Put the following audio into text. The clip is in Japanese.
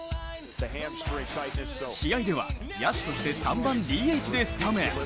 試合では野手として３番・ＤＨでスタメン。